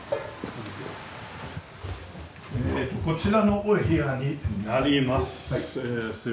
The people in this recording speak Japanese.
こちらのお部屋になります。